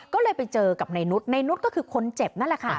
ก็เลยไปเจอกับในนุษย์ในนุษย์ก็คือคนเจ็บนั่นแหละค่ะ